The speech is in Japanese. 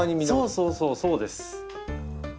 そうそうそうそうです。